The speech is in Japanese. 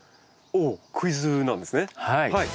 おおクイズなんですねはい。